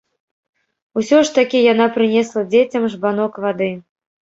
Усё ж такі яна прынесла дзецям жбанок вады.